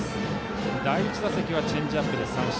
第１打席はチェンジアップで三振。